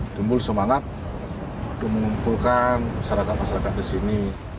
tumbuh semangat untuk mengumpulkan masyarakat masyarakat di sini